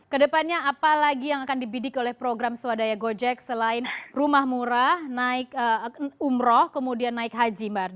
kedepannya apalagi yang akan dibidik oleh program swadaya gojek selain rumah murah naik umroh kemudian naik haji mbak